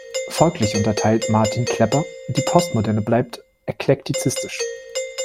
Folglich urteilt Martin Klepper: „Die Postmoderne bleibt eklektizistisch“.